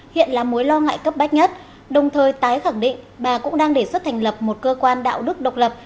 hiện là mối lo ngại cấp bách nhất đồng thời tái khẳng định bà cũng đang đề xuất thành lập một cơ quan đạo đức độc lập